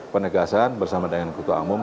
penegasan bersama dengan ketua umum